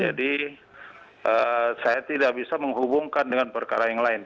jadi saya tidak bisa menghubungkan dengan perkara yang lain